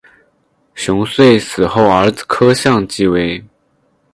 熊遂死后儿子柯相继位。